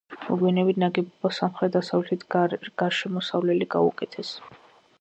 მოგვიანებით, ნაგებობას სამხრეთ-დასავლეთით გარშემოსავლელი გაუკეთეს.